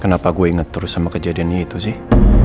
kenapa gue inget terus sama kejadiannya itu sih